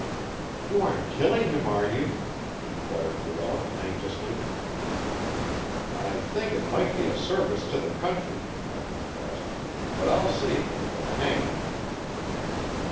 "You aren't killing him are you?" inquired Luella anxiously. "I think it might be a service to the country," I confessed, "but I'll save him for the hangman."